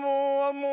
もう。